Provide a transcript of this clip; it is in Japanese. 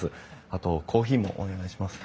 あとコーヒーもお願いします。